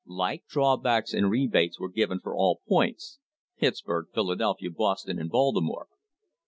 Like drawbacks and rebates were given for all points — Pittsburg, Philadelphia, Boston and Baltimore.